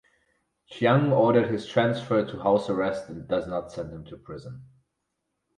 Chiang ordered his transfer to house arrest and does not send him to prison.